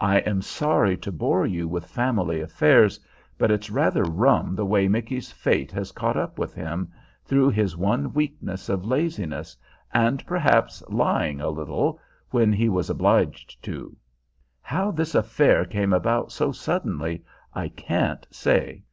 I am sorry to bore you with family affairs; but it's rather rum the way Micky's fate has caught up with him, through his one weakness of laziness, and perhaps lying a little, when he was obliged to. How this affair came about so suddenly I can't say.